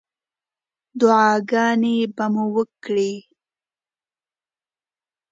دعاګانې به مو وکړې.